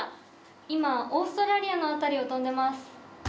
今、オーストラリアの辺りを飛んでます。